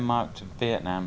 vì vậy việt nam